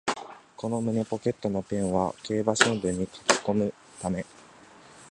この胸ポケットのペンは競馬新聞に書きこむため